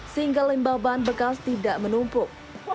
sehingga limbah ban bekas tidak menumpuk